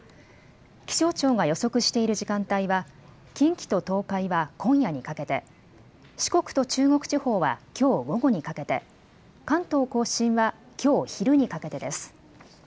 気象庁が予測している時間帯は近畿と東海は今夜にかけて四国と中国地方はきょう午後にかけて関東甲信はきょう昼にかけてです。